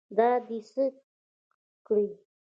دا دې څه کړي.